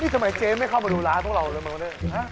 นี่ทำไมเจ๊ไม่เข้ามาดูร้านพวกเราเลยเหมือนกัน